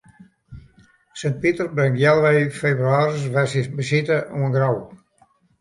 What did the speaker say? Sint Piter bringt healwei febrewaris wer syn besite oan Grou.